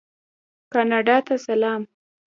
کاناډا ته سلام.